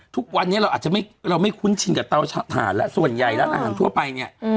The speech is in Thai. ทุกวันนี้เราอาจจะไม่เราไม่คุ้นชินกับเตาถ่านแล้วส่วนใหญ่ร้านอาหารทั่วไปเนี่ย